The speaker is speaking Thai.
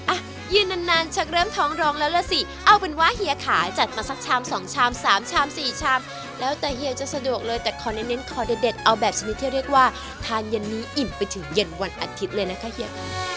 อ่ะยืนนานชักเริ่มท้องร้องแล้วล่ะสิเอาเป็นว่าเฮียขาจัดมาสักชาม๒ชาม๓ชามสี่ชามแล้วแต่เฮียจะสะดวกเลยแต่ขอเน้นขอเด็ดเอาแบบชนิดที่เรียกว่าทานเย็นนี้อิ่มไปถึงเย็นวันอาทิตย์เลยนะคะเฮีย